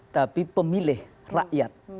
tapi pemilih rakyat